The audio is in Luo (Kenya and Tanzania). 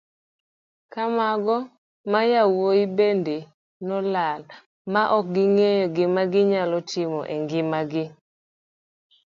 Ka mago mayawuoyi bende nolal ma okong'eyo gima ginyalo timo e ngima gi.